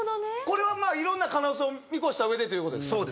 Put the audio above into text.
これはいろんな可能性を見越したうえでという事ですか？